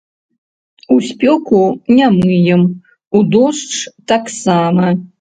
У спёку не мыем, у дождж таксама.